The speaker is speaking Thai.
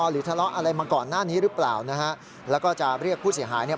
หรือทะเลาะอะไรมาก่อนหน้านี้หรือเปล่านะฮะแล้วก็จะเรียกผู้เสียหายเนี่ย